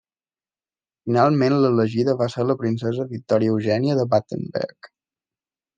Finalment l'elegida va ser la princesa Victòria Eugènia de Battenberg.